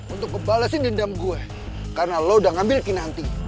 untuk kebalesin dendam gue karena lo udah ngambil kinanti